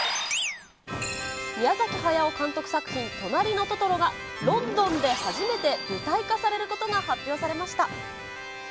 宮崎駿監督作品、となりのトトロがロンドンで初めて舞台化されることが発表されました。